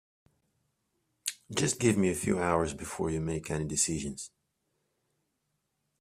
Just give me a few hours before you make any decisions.